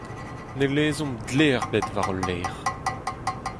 Ne lezomp dle ebet war hol lerc'h.